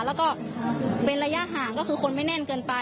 แล้วก็เป็นระยะห่างก็คือคนไม่แน่นเกินไป